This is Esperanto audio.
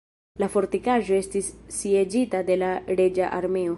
La fortikaĵo estis sieĝita de la reĝa armeo.